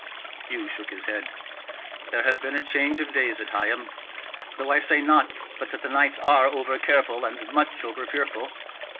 Hugh shook his head: "There hath been a change of days at Higham; though I say not but that the knights are over careful, and much over fearful."